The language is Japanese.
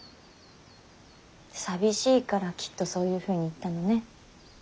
寂しいからきっとそういうふうに言ったのね。